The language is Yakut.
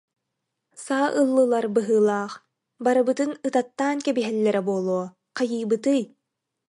Саа ыллылар быһыылаах, барыбытын ытаттаан кэбиһэллэрэ буолуо, хайыыбытый